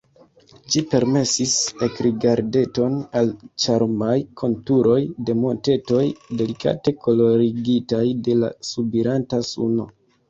Ĝi permesis ekrigardeton al ĉarmaj konturoj de montetoj, delikate kolorigitaj de la subiranta suno.